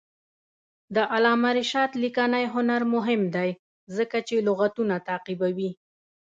د علامه رشاد لیکنی هنر مهم دی ځکه چې لغتونه تعقیبوي.